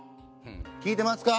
聞いてますか？